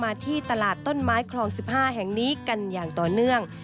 ที่ตลาดต้นไม้คลอง๑๕แห่งนี้กันอย่างต่อเนื่อง